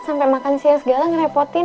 sampai makan siang segala ngerepotin